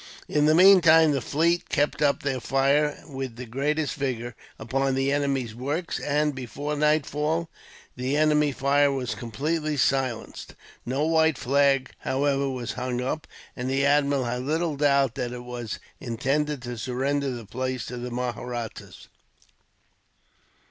In the meantime the fleet kept up their fire, with the greatest vigour, upon the enemy's works; and, before nightfall, the enemy's fire was completely silenced. No white flag, however, was hung up, and the admiral had little doubt that it was intended to surrender the place to the Mahrattas.